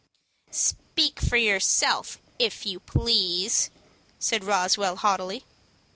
"Speak for yourself, if you please," said Roswell, haughtily.